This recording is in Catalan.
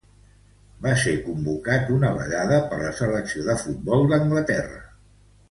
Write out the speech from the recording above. Va ser convocat una vegada per la selecció de futbol d'Anglaterra.